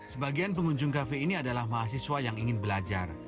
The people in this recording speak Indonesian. sebagian pengunjung kafe ini adalah mahasiswa yang ingin belajar